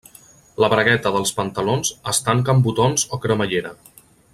La bragueta dels pantalons es tanca amb botons o cremallera.